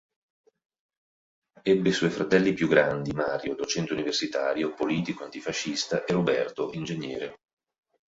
Ebbe sue fratelli piu' grandi, Mario, docente universitario, politico e antifascista, e Roberto, Ingegnere.